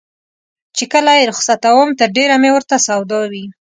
چې کله یې رخصتوم تر ډېره مې ورته سودا وي.